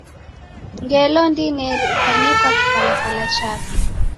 Ngelo ndineri ukanekwa kipalapala chape.